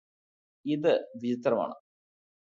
ഇത് വിചിത്രമാണ്